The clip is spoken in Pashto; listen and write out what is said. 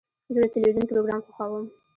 زه د تلویزیون پروګرام خوښوم.